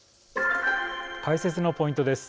解説のポイントです。